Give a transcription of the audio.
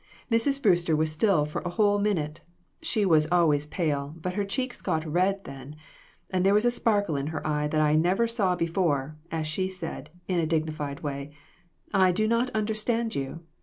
Mrs. Brewster was still for a whole minute. She was always pale, but her cheeks got red then, and there was a sparkle in her eye that I never saw before, as she said, in a digni fied way 'I do not understand you.'